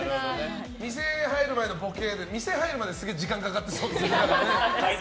店入る前のボケですげえ時間かかってそうですよね。